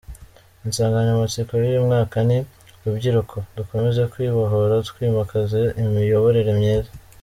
Insanganyamatsiko y’uyu mwaka ni: “Rubyiruko, Dukomeze Kwibohora Twimakaza Imiyoborere Myiza.